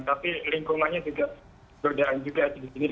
tapi lingkungannya juga godaan juga